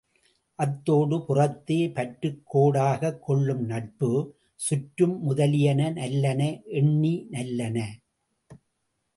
அத்தோடு, புறத்தே பற்றுக் கோடாகக் கொள்ளும் நட்பு, சுற்றம் முதலியன நல்லன எண்ணி, நல்லன.